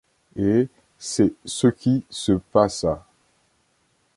Et c'est ce qui se passa.